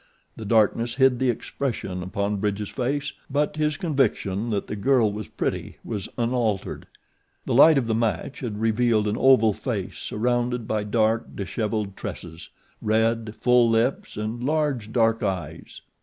The darkness hid the expression upon Bridge's face, but his conviction that the girl was pretty was unaltered. The light of the match had revealed an oval face surrounded by dark, dishevelled tresses, red, full lips, and large, dark eyes.